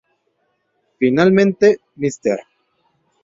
Finalmente, Mr.